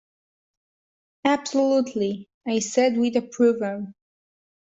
"Absolutely," I said with approval.